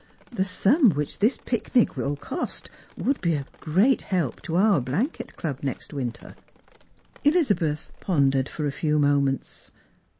'fhe sum which thLs picnic will cost would be a great help to our blanket club next winter." Elizabeth pondered for a few moments.